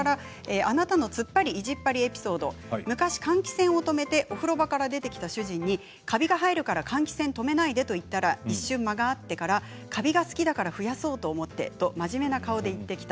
ツッパリ・意地っぱりエピソード、換気扇を止めてお風呂場から出てきて主人にカビが生えるから換気扇を止めないでと言ったら間があって、カビが好きだから増やそうと思ってと真面目な顔で言ってきた。